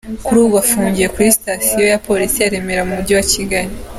Kuri ubu afungiye kuri sitasiyo ya Polisi ya Remera mu mujyi wa Kigali.